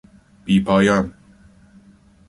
بیپایان